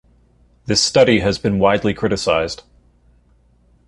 This study has been widely criticised.